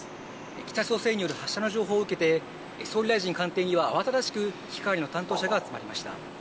北朝鮮による発射の情報を受けて総理大臣官邸には慌ただしく危機管理の担当者が集まりました。